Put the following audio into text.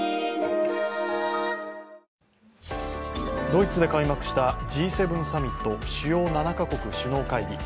ドイツで開幕したＧ７サミット＝主要７か国首脳会議。